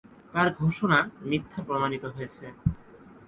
তার ঘোষণা মিথ্যা প্রমাণিত হয়েছে।